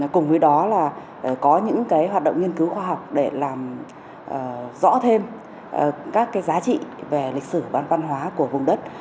cùng với đó là có những hoạt động nghiên cứu khoa học để làm rõ thêm các giá trị về lịch sử và văn hóa của vùng đất